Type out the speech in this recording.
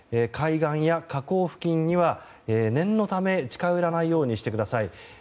海岸や河口付近には念のため近寄らないようにしてください。